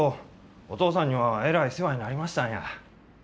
お父さんにはえらい世話になりましたんや。